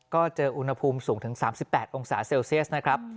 ก็เจออุณหภูมิสูงถึง๓๘องศาเซลเซียสนะครับ